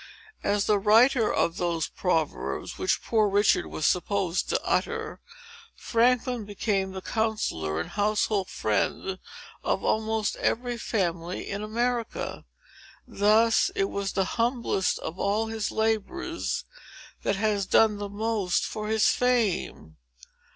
As the writer of those proverbs, which Poor Richard was supposed to utter, Franklin became the counsellor and household friend of almost every family in America. Thus, it was the humblest of all his labors that has done the most for his fame."